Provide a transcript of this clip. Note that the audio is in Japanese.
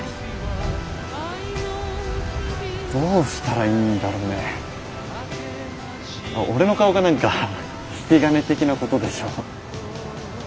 どうしたらいいんだろうね俺の顔が何か引き金的なことでしょ。